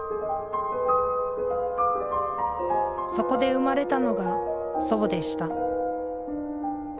そこで生まれたのが祖母でした。